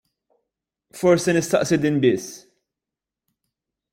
Forsi nistaqsi din biss.